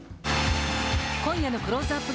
今夜のクローズアップ